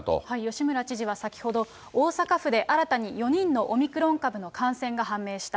吉村知事は先ほど、大阪府で新たに４人のオミクロン株の感染が判明した。